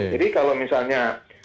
jadi kalau misalnya